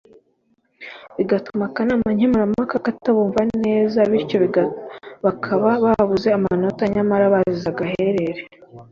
bigatuma akanama nkemurampaka katabumva neza bityo bakaba babuze amanota nyamara bazize amaherere